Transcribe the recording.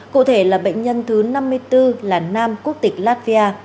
cụ thể là bệnh nhân thứ năm mươi bốn là nam quốc tịch latvia